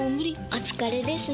お疲れですね。